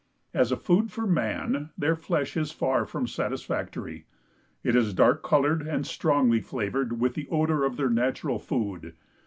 As a food for man their flesh is far from satisfactory. It is dark colored and strongly flavored with the odor of their natural food.